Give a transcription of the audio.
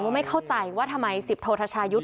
ไม่เข้าใจว่าทำไมสิบโททชายุทธ์